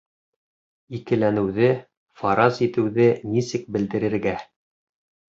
Икеләнеүҙе, фараз итеүҙе нисек белдерергә